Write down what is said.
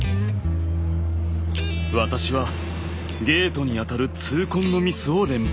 私はゲートに当たる痛恨のミスを連発。